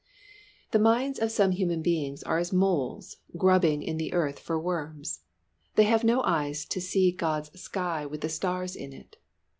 The minds of some human beings are as moles, grubbing in the earth for worms. They have no eyes to see God's sky with the stars in it.